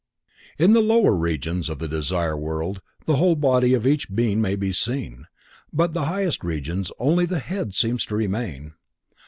In the lower regions of the Desire World the whole body of each being may be seen, but in the highest regions only the head seems to remain.